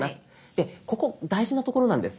でここ大事なところなんです。